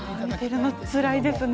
つらいですね